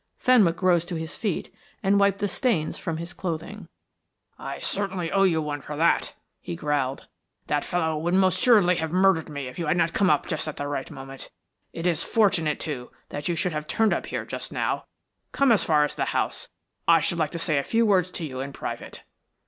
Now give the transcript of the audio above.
Fenwick rose to his feet and wiped the stains from his clothing. "I certainly owe you one for that," he growled. "That fellow would most assuredly have murdered me if you had not come up just at the right moment. It is fortunate, too, that you should have turned up here just now. Come as far as the house. I should like to say a few words to you in private."